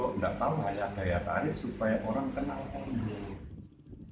tidak tahu hanya agar agar tarik supaya orang kenal pondok